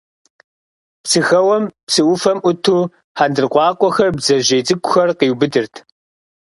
Псыхэуэм, псы ӏуфэм ӏуту, хьэндыркъуакъуэхэр, бдзэжьей цӏыкӏухэр къиубыдырт.